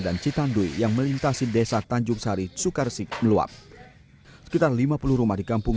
dan citandui yang melintasi desa tanjung sari sukarsik meluap sekitar lima puluh rumah di kampung